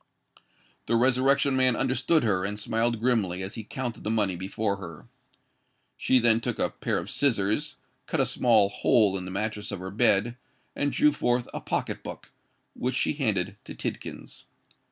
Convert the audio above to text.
The Resurrection Man understood her, and smiled grimly, as he counted the money before her. She then took a pair of scissors, cut a small hole in the mattress of her bed, and drew forth a pocket book, which she handed to Tidkins.